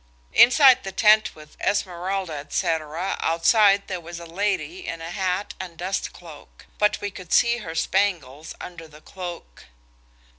Inside the tent with "Esmeralda, &c" outside there was a lady in a hat and dust cloak. But we could see her spangles under the cloak.